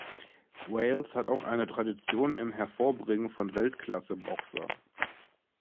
Wales hat auch eine Tradition im Hervorbringen von Weltklasse-Boxern.